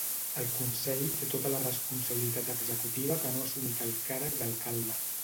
El Consell té tota la responsabilitat executiva que no ha assumit el càrrec d'alcalde.